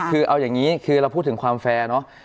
คือเอาอย่างนี้คือเราพูดถึงความแฟร์เนาะ